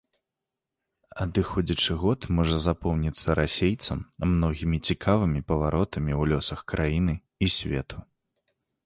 Адыходзячы год можа запомніцца расейцам многімі цікавымі паваротамі ў лёсах краіны і свету.